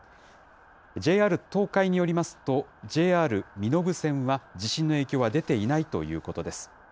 ＪＲ東海によりますと、ＪＲ身延線は地震の影響は出ていないということです。